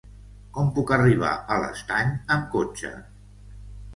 Com puc arribar a l'Estany amb cotxe?